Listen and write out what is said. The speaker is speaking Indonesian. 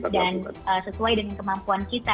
dan sesuai dengan kemampuan kita